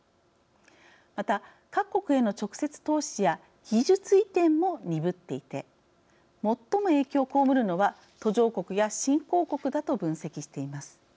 また、各国への直接投資や技術移転も鈍っていて最も影響を被るのは途上国や新興国だと分析しています。